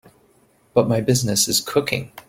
But my business is cooking.